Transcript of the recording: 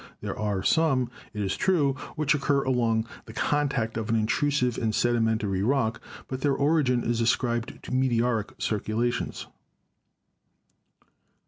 There are some, it is true, which occur along the contact of an in trusive and sedimentary rock, but their origin is ascribed to meteoric circulations.